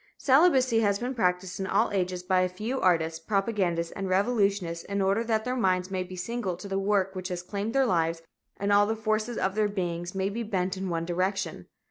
Celibacy has been practiced in all ages by a few artists, propagandists and revolutionists in order that their minds may be single to the work which has claimed their lives and all the forces of their beings may be bent in one direction.